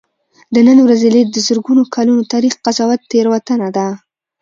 د نن ورځې لید د زرګونو کلونو تاریخ قضاوت تېروتنه ده.